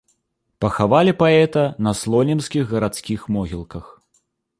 Пахавалі паэта на слонімскіх гарадскіх могілках.